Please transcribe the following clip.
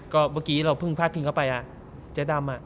ก็เมื่อกี้เราเพิ่งพลาดพิงเข้าไปเจ๊ดำ